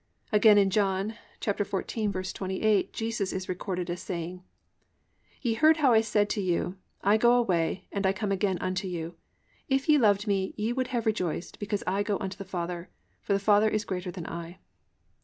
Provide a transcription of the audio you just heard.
Again in John 14:28 Jesus is recorded as saying: +"Ye heard how I said to you, I go away and I come again unto you. If ye loved me, ye would have rejoiced, because I go unto the Father: for the Father is greater than I."